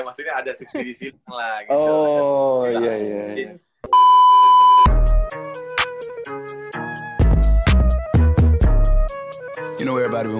maksudnya ada subsidi silang lah